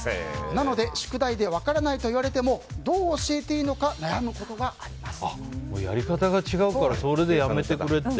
なので宿題で分からないと言われてもどう教えていいのかやり方が違うからそれでやめてくれって？